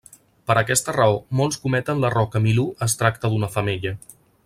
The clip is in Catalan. Per aquesta raó molts cometen l'error que Milú es tracta d'una femella.